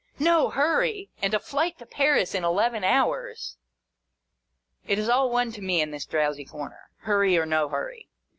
No hurry ! And a Flight to Paris in eleven hours ! It is all one to me in this drowsy corner, hurry, or no hurry.